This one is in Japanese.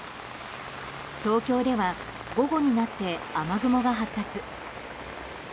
東京では午後になって雨雲が発達。